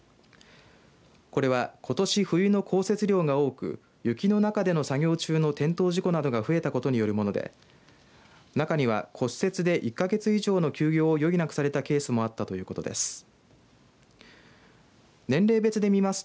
これは、ことし冬の降雪量が多く雪の中での作業中の転倒事故などが増えたことによるもので中には、骨折で１か月以上の休業を余儀なくされたケースもあったということです。